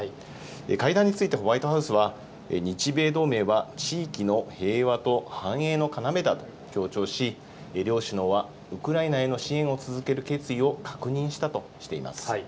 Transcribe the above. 会談についてホワイトハウスは、日米同盟は地域の平和と繁栄の要だと強調し、両首脳はウクライナへの支援を続ける決意を確認したとしています。